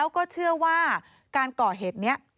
แล้วก็เชื่อว่าการก่อเหตุนี้